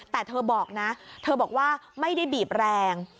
แต่เธอบอกนะเธอบอกว่าไม่ได้บีบแรง